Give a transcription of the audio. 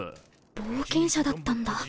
冒険者だったんだ